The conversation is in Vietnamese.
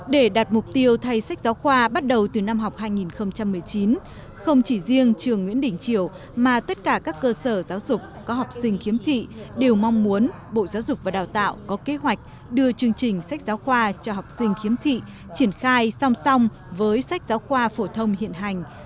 để đạt mục tiêu thay sách giáo khoa bắt đầu từ năm học hai nghìn một mươi chín không chỉ riêng trường nguyễn đình triều mà tất cả các cơ sở giáo dục có học sinh khiếm thị đều mong muốn bộ giáo dục và đào tạo có kế hoạch đưa chương trình sách giáo khoa cho học sinh khiếm thị triển khai song song với sách giáo khoa phổ thông hiện hành